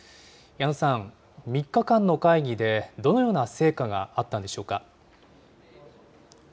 矢野さん、３日間の会議で、どのような成果があったんでしょうか。